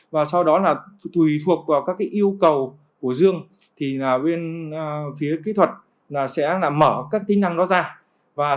và sau đó là thùy thuộc vào các yêu cầu của dương thì bên phía kỹ thuật sẽ mở các tính năng đó ra